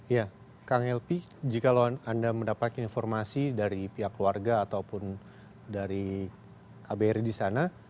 ya kang lp jika lo anda mendapatkan informasi dari pihak keluarga ataupun dari kbr di sana